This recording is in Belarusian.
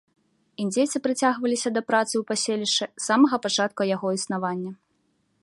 Індзейцы прыцягваліся да працы ў паселішчы з самага пачатка яго існавання.